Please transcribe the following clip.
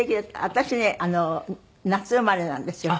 私ね夏生まれなんですよ。